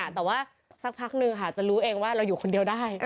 แต่ว่าสักพักนึงค่ะจะรู้เองว่าเราอยู่คนเดียวได้